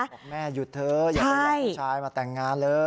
บอกแม่หยุดเถอะอย่าไปหลอกผู้ชายมาแต่งงานเลย